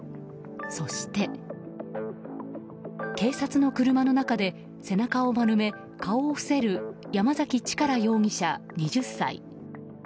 そして、警察の車の中で背中を丸め、顔を伏せる山崎力容疑者、２０歳。